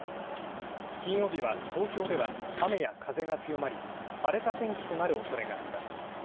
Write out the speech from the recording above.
金曜日は東京では雨や風が強まり、荒れた天気となるおそれがあります。